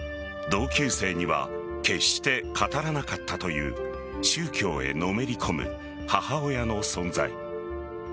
同級生には決して語らなかったという宗教へのめり込む母親の存在。